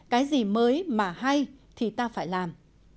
cái gì mới mà hay thì ta phải làm